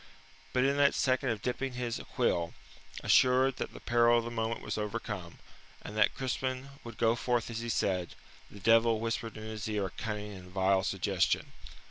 But in that second of dipping his quill, assured that the peril of the moment was overcome, and that Crispin would go forth as he said, the devil whispered in his ear a cunning and vile suggestion.